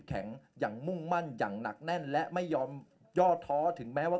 แข็งอย่างมุ่งมั่นอย่างหนักแน่นและไม่ยอมย่อท้อถึงแม้ว่า